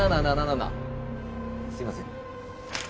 すいません。